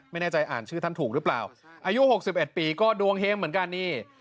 ไม่แน่ใจอ่านชื่อท่านถูกหรือเปล่าอายุ๖๑ปีก็ดวงเฮ้มเหมือนกันนี่